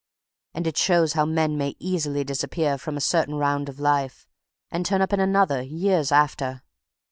And it shows how men may easily disappear from a certain round of life, and turn up in another years after!